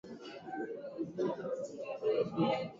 Hawaii Funguvisiwa ya Hawaii ni jimbo la visiwani katika